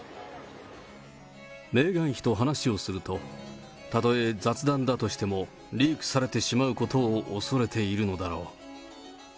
メーガン妃と話をするとたとえ雑談だとしても、リークされてしまうことをおそれているのだろう。